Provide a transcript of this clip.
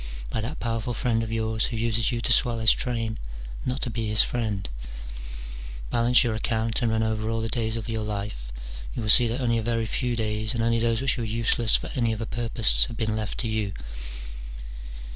by that powerful friend of yours, who uses you to swell his train, not to be his friend ? Balance your account, and run over all the days of your life ; you will see that only a very few days, and only those which were useless for any other purpose, have been left to you.